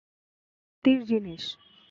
এগুলো স্বাতীর জিনিস।